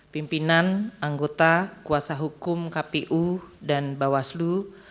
pimpinan anggota kuasa hukum kpu dan bawaslu